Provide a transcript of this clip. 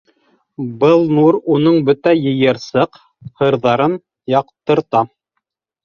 Был нур уның бөтә йыйырсыҡ-һырҙарын яҡтырта.